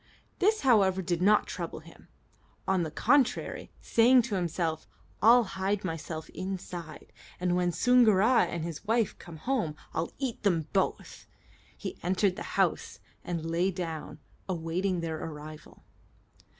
This, however, did not trouble him; on the contrary, saying to himself, "I'll hide myself inside, and when Soongoora and his wife come home I'll eat them both," he entered the house and lay down, awaiting their arrival.